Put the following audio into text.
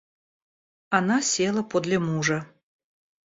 Она села подле мужа.